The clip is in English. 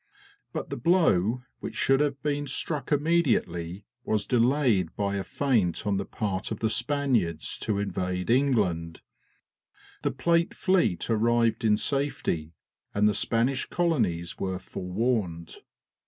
But the blow, which should have been struck immediately, was delayed by a feint on the part of the Spaniards to invade England; the Plate fleet arrived in safety, and the Spanish colonies were forewarned.